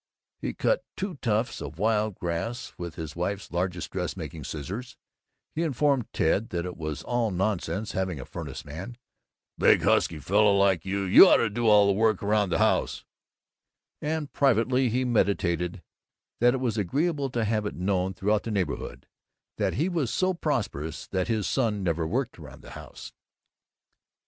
He cut two tufts of wild grass with his wife's largest dressmaking scissors; he informed Ted that it was all nonsense having a furnace man "big husky fellow like you ought to do all the work around the house;" and privately he meditated that it was agreeable to have it known throughout the neighborhood that he was so prosperous that his son never worked around the house.